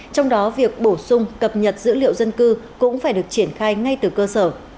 trong đó việc bổ sung cập nhật dữ liệu dân cư cũng phải được triển khai ngay từ cơ sở